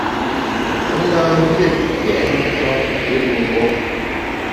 Me na mfiét tètnkam kilu mgbom.